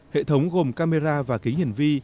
hệ thống gồm camera và kính hiển vi